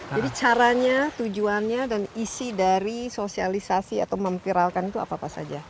jadi caranya tujuannya dan isi dari sosialisasi atau memviralkan itu apa saja